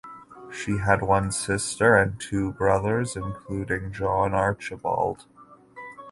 She had one sister and two brothers including John Archibald.